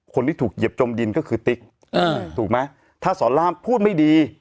คนที่ถูกเหยียบจมดินก็คือติ๊กถูกไหมถ้าสอนล่ามพูดไม่ดี